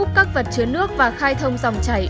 đặt úp các vật chứa nước và khai thông dòng chảy